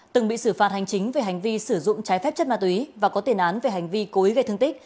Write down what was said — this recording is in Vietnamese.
từng bị xử phạt hành chính về hành vi sử dụng trái phép chất ma túy và có tiền án về hành vi cố ý gây thương tích